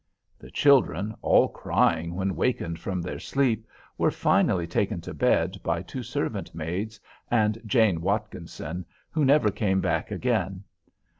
The children, all crying when wakened from their sleep, were finally taken to bed by two servant maids, and Jane Watkinson, who never came back again.